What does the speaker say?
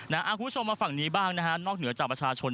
คุณผู้ชมมาฝั่งนี้บ้างนะฮะนอกเหนือจากประชาชน